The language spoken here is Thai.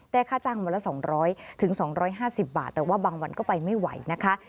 ค่าจ้างวันละ๒๐๐๒๕๐บาทแต่ว่าบางวันก็ไปไม่ไหวนะคะ